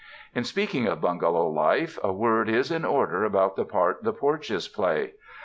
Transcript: In speaking of bungalow life a word is in order about the part the porches play.